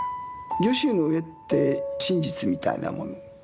御舟の絵って真実みたいなもの